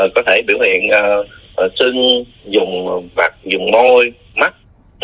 có thể biểu hiện xưng dùng vật dùng môi mắt